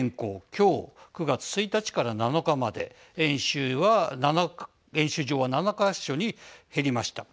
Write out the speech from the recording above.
今日、９月１日から７日まで演習場は７か所に減りました。